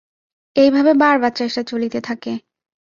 এই ভাবে বার বার চেষ্টা চলিতে থাকে।